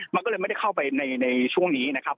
มันก็เลยไม่ได้เข้าไปในช่วงนี้นะครับ